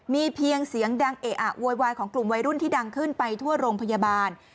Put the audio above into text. มีเพียงเสียงดังเอะอะโวยวายของกลุ่มวัยรุ่นที่ดังขึ้นไปทั่วโรงพยาบาล